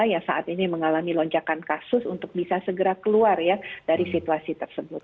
yang saat ini mengalami lonjakan kasus untuk bisa segera keluar ya dari situasi tersebut